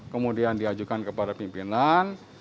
kemudian diajukan kepada pimpinan